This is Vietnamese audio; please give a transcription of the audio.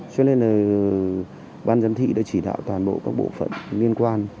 cho nên là ban giám thị đã chỉ đạo toàn bộ các bộ phận liên quan